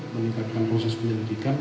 meningkatkan proses penyelidikan